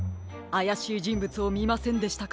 あやしいじんぶつをみませんでしたか？